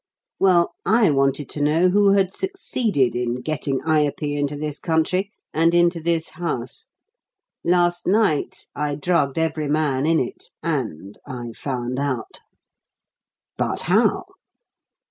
Well, I wanted to know who had succeeded in getting Ayupee into this country and into this house. Last night I drugged every man in it, and I found out." "But how?"